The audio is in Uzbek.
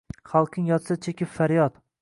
Xalqing yotsa chekib faryod